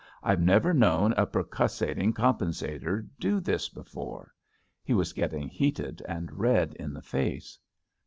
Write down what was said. I've never known a per cussating compensator do this before." He was getting heated and red in the face.